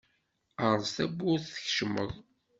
Erẓ tawwurt tkecmeḍ.